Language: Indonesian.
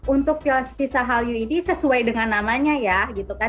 untuk visa halyu ini sesuai dengan namanya ya